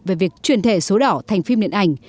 về việc truyền thể số đỏ thành phim điện ảnh